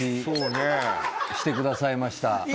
してくださいました。